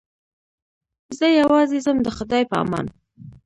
زه یوازې ځم د خدای په امان.